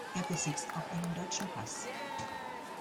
Er besitzt auch einen deutschen Pass.